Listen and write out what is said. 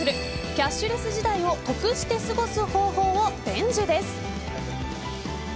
キャッシュレス時代を得して過ごす方法を伝授です。